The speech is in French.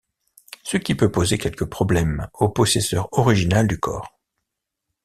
Ce qui peut poser quelques problèmes au possesseur original du corps.